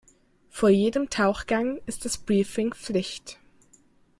Vor jedem Tauchgang ist das Briefing Pflicht.